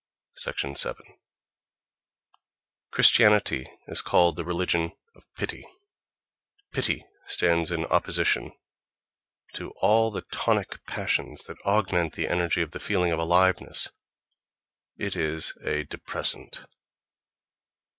7. Christianity is called the religion of pity.—Pity stands in opposition to all the tonic passions that augment the energy of the feeling of aliveness: it is a depressant.